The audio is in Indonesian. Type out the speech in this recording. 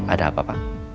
ada apa pak